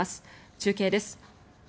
中継です。